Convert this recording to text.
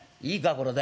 これで。